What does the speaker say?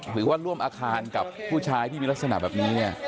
หรือว่าร่วมอาคารกับผู้ชายที่มีลักษณะแบบนี้เนี่ย